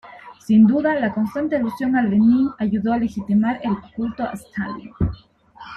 Sin duda, la constante alusión a Lenin ayudó a legitimar el culto a Stalin.